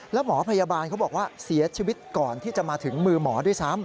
แล้วหมอพยาบาลเขาบอกว่าเสียชีวิตก่อนที่จะมาถึงมือหมอด้วยซ้ำ